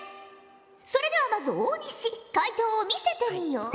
それではまず大西解答を見せてみよ。